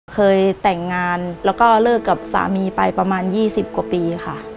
เคยแต่งงานแล้วก็เลิกกับสามีไปประมาณ๒๐กว่าปีค่ะ